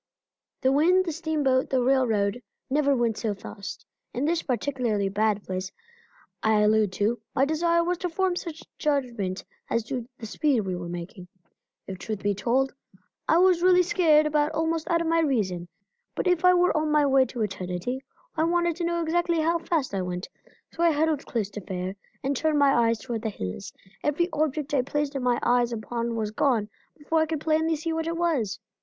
The wind, the steamboat, the railroad, never went so fast. In this particularly bad place I allude to, my desire was to form some judgment as to the speed we were making. If the truth must be spoken, I was really scared almost out of my reason, but if I were on my way to eternity I wanted to know exactly how fast I went, so I huddled close to Fair, and turned my eyes toward the hills. Every object I placed my eyes upon was gone before I could plainly see what it was.